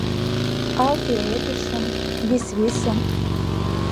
Ал пеледышым, висвисым